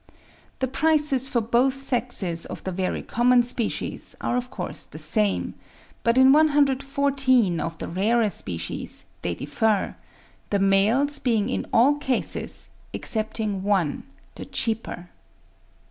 The prices for both sexes of the very common species are of course the same; but in 114 of the rarer species they differ; the males being in all cases, excepting one, the cheaper.